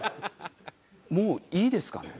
もういいですかね？